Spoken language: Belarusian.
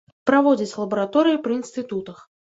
Праводзяць лабараторыі пры інстытутах.